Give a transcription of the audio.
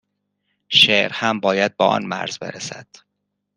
شعر هم باید به آن مرز برسد